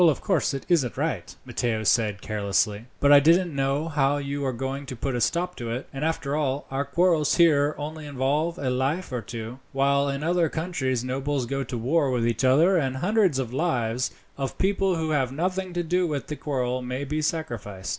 "Of course it isn't right," Matteo said carelessly, "but I don't know how you are going to put a stop to it; and after all, our quarrels here only involve a life or two, while in other countries nobles go to war with each other, and hundreds of lives, of people who have nothing to do with the quarrel, may be sacrificed."